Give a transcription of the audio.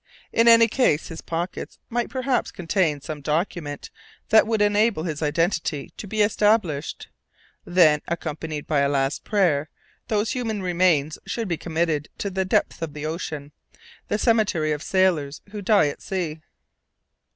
In any case his pockets might perhaps contain some document that would enable his identity to be established. Then, accompanied by a last prayer, those human remains should be committed to the depths of the ocean, the cemetery of sailors who die at sea.